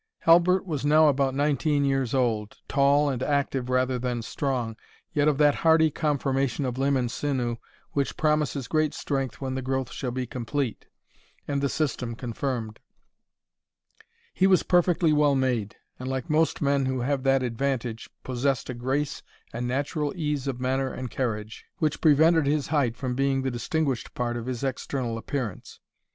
Halbert was now about nineteen years old, tall and active rather than strong, yet of that hardy conformation of limb and sinew, which promises great strength when the growth shall be complete, and the system confirmed. He was perfectly well made, and, like most men who have that advantage, possessed a grace and natural ease of manner and carriage, which prevented his height from being the distinguished part of his external appearance.